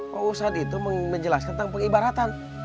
pak ustadz itu menjelaskan tentang pengibaratan